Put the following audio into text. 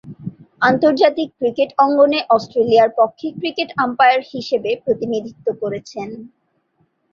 আন্তর্জাতিক ক্রিকেট অঙ্গনে অস্ট্রেলিয়ার পক্ষে ক্রিকেট আম্পায়ার হিসেবে প্রতিনিধিত্ব করছেন।